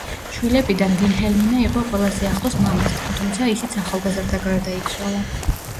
შვილებიდან ვილჰელმინა იყო ყველაზე ახლოს მამასთან, თუმცა ისიც ახალგაზრდა გარდაიცვალა.